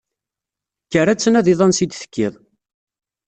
Kker ad tnadiḍ ansi d-tekkiḍ.